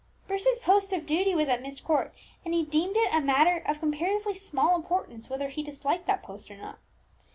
Bruce's post of duty was at Myst Court, and he deemed it a matter of comparatively small importance whether he disliked that post or not.